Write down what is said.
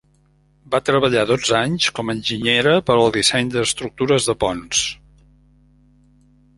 Va treballar dotze anys com a enginyera per al disseny d'estructures de ponts.